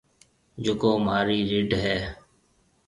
جڪو مهارِي رڍ هيَ۔